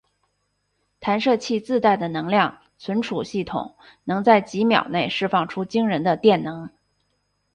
弹射器自带的能量存储系统能在几秒内释放出惊人的电能。